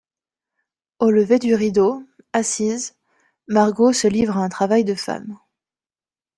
Au lever du rideau, assise, Margot se livre à un travail de femme.